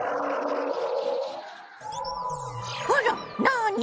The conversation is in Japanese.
あらなに？